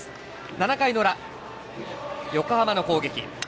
７回の裏、横浜の攻撃。